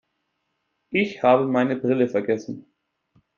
Ich habe meine Brille vergessen.